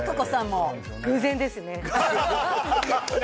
偶然ですね。